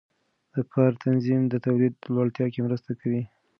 د کار تنظیم د تولید لوړتیا کې مرسته کوي.